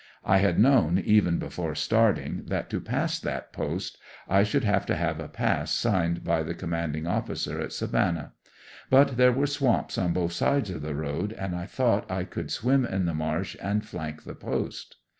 I had known, even before starting, that to pass that post I should have to have a pass signed by the commanding officer at Savannah ; but there were swamps on both sides the road, and I thought I could swim in the marsh and flank the post.